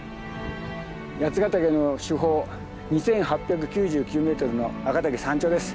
八ヶ岳の主峰２，８９９ｍの赤岳山頂です。